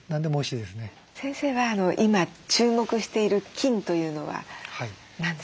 先生は今注目している菌というのは何ですか？